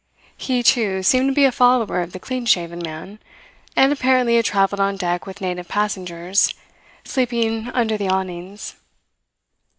He, too, seemed to be a follower of the clean shaven man, and apparently had travelled on deck with native passengers, sleeping under the awnings.